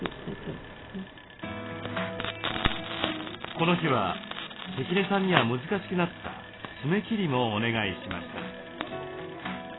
この日は関根さんには難しくなった爪切りもお願いしました。